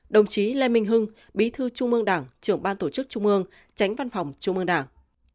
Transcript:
đồng chí lê minh hưng bí thư trung ương đảng trưởng ban tổ chức trung ương tránh văn phòng trung ương đảng